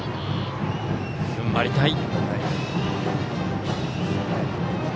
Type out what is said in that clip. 踏ん張りたい。